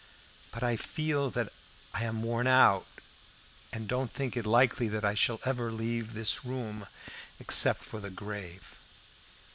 But I feel that I am worn out, and don't think it likely that I shall ever leave this room except for the grave.